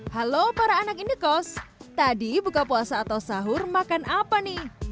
halo para anak indekos tadi buka puasa atau sahur makan apa nih